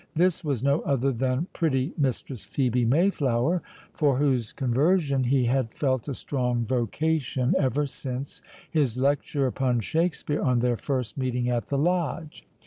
This was no other than pretty Mistress Phœbe Mayflower, for whose conversion he had felt a strong vocation, ever since his lecture upon Shakspeare on their first meeting at the Lodge.